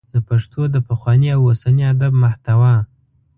د پښتو د پخواني او اوسني ادب محتوا